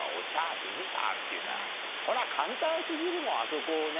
富士山あるっていうんだからそれは簡単すぎるもんあそこをね